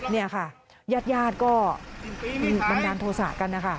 นี่ค่ะญาติญาติก็บันดาลโทษะกันนะคะ